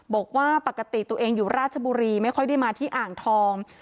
บอกว่าปกติตัวเองอยู่ราชบุรีไม่ค่อยได้มาที่อ่างทอง